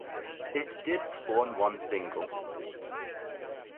It did spawn one single.